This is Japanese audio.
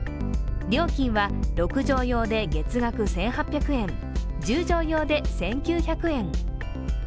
料金は６畳用で月額１８００円、１０畳用で１９００円。